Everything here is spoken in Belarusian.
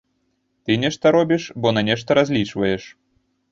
Ты нешта робіш, бо на нешта разлічваеш.